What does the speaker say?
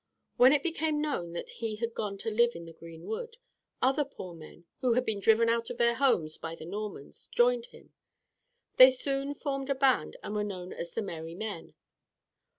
When it became known that he had gone to live in the Green Wood, other poor men, who had been driven out of their homes by the Normans, joined him. They soon formed a band and were known as the "Merry Men."